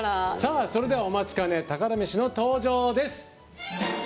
それではお待ちかね宝メシの登場です。